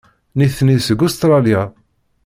Nitni seg Ustṛalya.